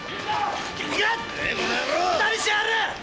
〔何しやがる⁉〕